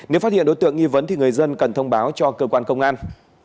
nếu phát hiện đối tượng nghi vấn thì người dân cần thông báo cho cơ quan công an